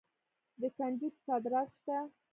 د کنجدو صادرات شته.